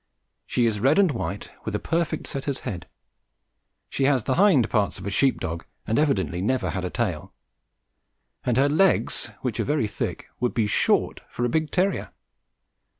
She is red and white, with a perfect setter's head. She has the hind parts of a sheep dog and evidently never had a tail; and her legs, which are very thick, would be short for a big terrier.